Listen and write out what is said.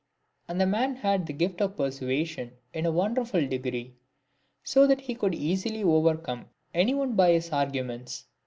X. And the man had the gift of persuasion in a wonderful degree ; so that he could easily overcome any one by his argu ments.